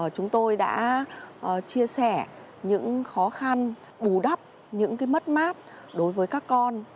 chúng tôi đã chia sẻ những khó khăn bù đắp những mất mát đối với các con